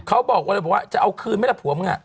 เขาบอกว่าจะเอาคืนไหมล่ะผัวมึงอ่ะ